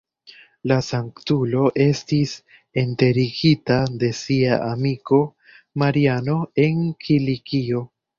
La sanktulo estis enterigita de sia amiko, Mariano, en Kilikio.